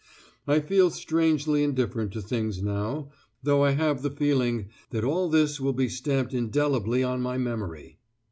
I feel strangely indifferent to things now, though I have the feeling that all this will be stamped indelibly on my memory."